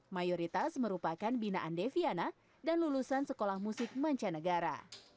mayoritas merupakan binaan deviana dan lulusan sekolah musik mancanegara